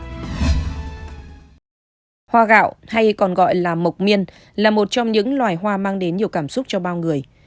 hoa gạo hay còn gọi là mộc miên là một trong những loài hoa mang đến nhiều cảm xúc cho bao người